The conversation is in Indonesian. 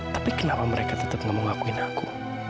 tapi kenapa mereka tetap gak mau ngakuin aku